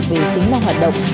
về tính năng hoạt động